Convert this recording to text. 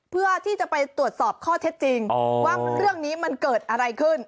เพื่อที่จะไปตรวจสอบข้อเท็จจริงว่าเรื่องนี้มันเกิดอะไรขึ้น